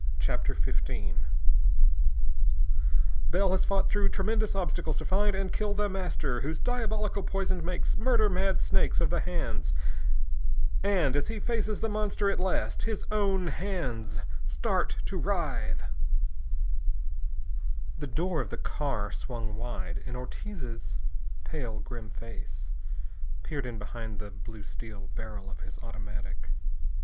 _] [Sidenote: Bell has fought through tremendous obstacles to find and kill The Master, whose diabolical poison makes murder mad snakes of the hands; and, as he faces the monster at last his own hands start to writhe!] CHAPTER XV The door of the car swung wide, and Ortiz's pale grim face peered in behind the blue steel barrel of his automatic.